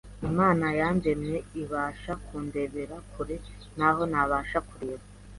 Imana yandemye ibasha kundebera kure naho ntabasha kureba.”